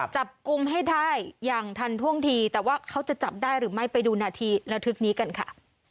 จับกลุ่มให้ได้อย่างทันท่วงทีแต่ว่าเขาจะจับได้หรือไม่ไปดูนาทีระทึกนี้กันค่ะ